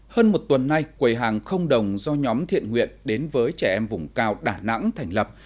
hơn một tuần nay quầy hàng không đồng do nhóm thiện nguyện đến với trẻ em vùng cao đà nẵng thành lập